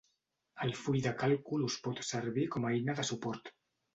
El full de càlcul us pot servir com a eina de suport.